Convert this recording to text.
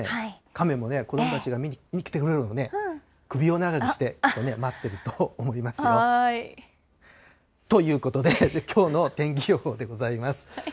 カメもね、子どもたちが見に来てくれるのを、首を長くして待ってると思いますよ。ということで、きょうの天気予報でございます。